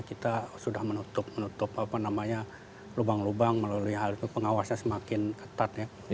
kita sudah menutup menutup apa namanya lubang lubang melalui hal itu pengawasnya semakin ketat ya